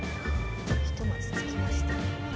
ひとまず着きました。